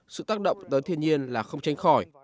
sự tác động tới thiên nhiên là không tranh khỏi